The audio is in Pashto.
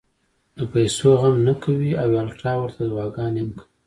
د پېسو غم نۀ کوي او الټا ورته دعاګانې هم کوي -